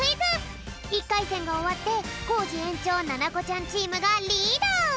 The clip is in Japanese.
１かいせんがおわってコージ園長ななこちゃんチームがリード！